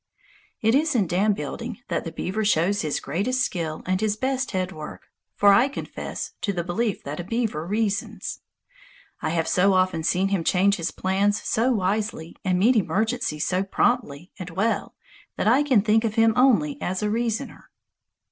It is in dam building that the beaver shows his greatest skill and his best headwork; for I confess to the belief that a beaver reasons. I have so often seen him change his plans so wisely and meet emergencies so promptly and well that I can think of him only as a reasoner.